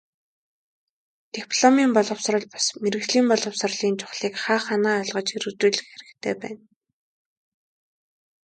Дипломын боловсрол бус, мэргэжлийн боловсролыг чухлыг хаа хаанаа ойлгож хэрэгжүүлэх хэрэгтэй байна.